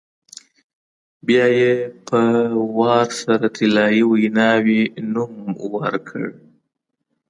بیا یې په وار سره طلایي ویناوی نوم ورکړ.